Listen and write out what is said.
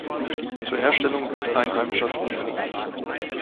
Zur Herstellung wird einheimischer Ton verwendet.